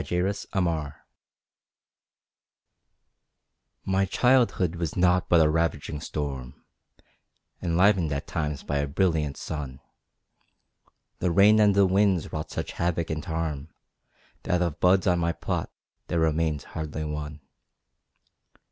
The Enemy My childhood was nought but a ravaging storm, Enlivened at times by a brilliant sun; The rain and the winds wrought such havoc and harm That of buds on my plot there remains hardly one.